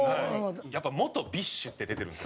やっぱ「元ＢｉＳＨ」って出てるんで。